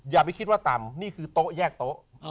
อย่าไปคิดว่าต่ำนี่คือโต๊ะแยกโต๊ะ